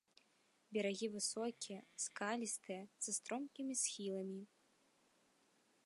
Берагі высокія, скалістыя, са стромкімі схіламі.